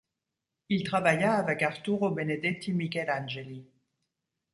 Il travaille avec Arturo Benedetti Michelangeli.